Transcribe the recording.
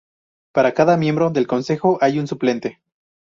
Para cada miembro del consejo hay un suplente.